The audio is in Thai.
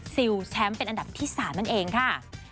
ซิลแชมป์เป็นอันดับที่๓นั่นเองค่ะ